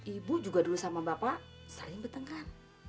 ibu juga dulu sama bapak saling bertengkar